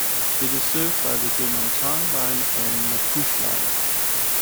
It is served by the Deux-Montagnes line and Mascouche line.